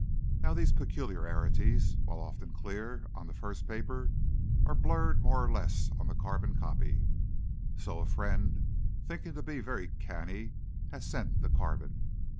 Now these peculiarities, while often clear on the first paper, are blurred more or less on the carbon copy. So 'A Friend,' thinking to be very canny, has sent the carbon.